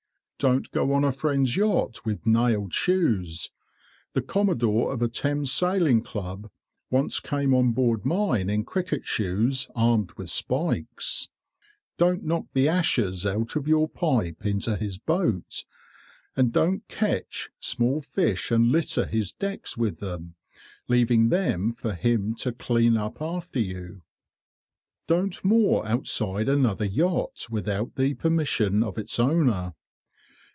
Don't go on a friend's yacht with nailed shoes (the commodore of a Thames sailing club once came on board mine in cricket shoes armed with spikes). Don't knock the ashes out of your pipe into his boat, and don't catch small fish and litter his decks with them, leaving them for him to clean up after you. [Picture: A pool in Burlingham Broad] Don't moor outside another yacht without the permission of its owner.